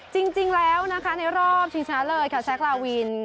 จริงแล้วนะคะในรอบชิงชนะเลิศค่ะแซคลาวิน